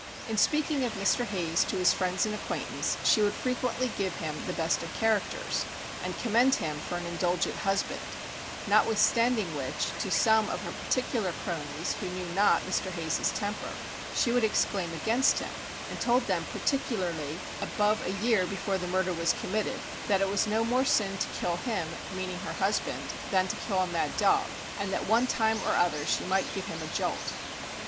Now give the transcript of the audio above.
In speaking of Mr. Hayes to his friends and acquaintance she would frequently give him the best of characters, and commend him for an indulgent husband; notwithstanding which, to some of her particular cronies who knew not Mr. Hayes's temper, she would exclaim against him, and told them particularly (above a year before the murder was committed) that it was no more sin to kill him (meaning her husband) than to kill a mad dog, and that one time or other she might give him a jolt.